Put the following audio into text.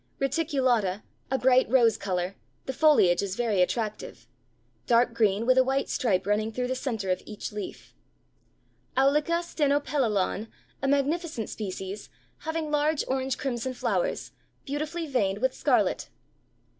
Reticulata, a bright rose color, the foliage is very attractive dark green with a white stripe running through the center of each leaf. Aulica Stenopelalon, a magnificent species, having large orange crimson flowers, beautifully veined with scarlet.